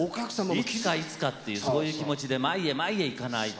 「いつかいつか」っていうそういう気持ちで前へ前へ行かないと。